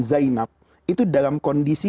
zainab itu dalam kondisi